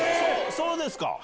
そうですか！